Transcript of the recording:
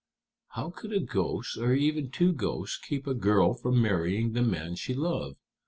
"How could a ghost, or even two ghosts, keep a girl from marrying the man she loved?"